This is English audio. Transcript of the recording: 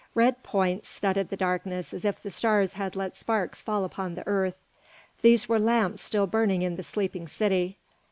Red points studded the darkness as if the stars had let sparks fall upon the earth. These were lamps still burning in the sleeping city.